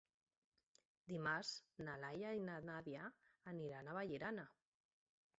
Dimarts na Laia i na Nàdia iran a Vallirana.